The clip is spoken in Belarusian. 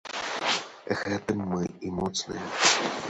Гэтым мы і моцныя.